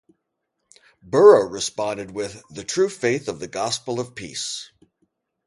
Burrough responded with "The True Faith of the Gospel of Peace".